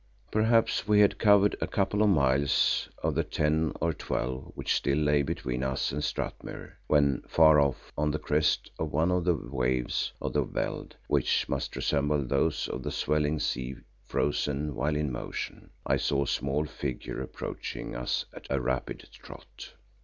Perhaps we had covered a couple of miles of the ten or twelve which still lay between us and Strathmuir, when far off on the crest of one of the waves of the veld which much resembled those of the swelling sea frozen while in motion, I saw a small figure approaching us at a rapid trot.